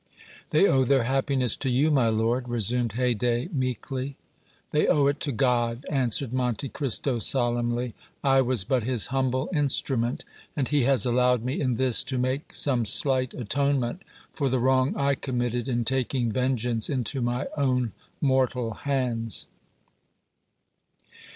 "They owe their happiness to you, my lord," resumed Haydée, meekly. "They owe it to God," answered Monte Cristo, solemnly; "I was but His humble instrument, and He has allowed me in this to make some slight atonement for the wrong I committed in taking vengeance into my own mortal hands."